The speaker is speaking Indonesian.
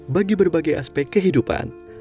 bagi berbagai aspek kehidupan